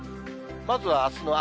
まずはあすの朝。